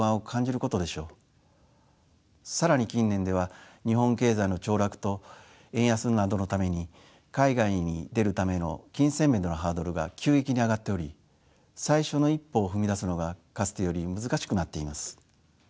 更に近年では日本経済の凋落と円安などのために海外に出るための金銭面でのハードルが急激に上がっており最初の一歩を踏み出すのがかつてより難しくなっています。